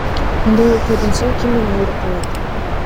Мындай окуядан соң ким мени аялдыкка алат?